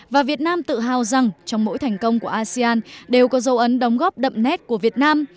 và việt nam tự hào rằng trong mỗi thành công của asean đều có dấu ấn đóng góp đậm nét của việt nam